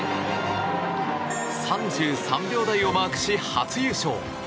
３３秒台をマークし初優勝。